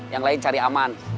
yang lain cari aman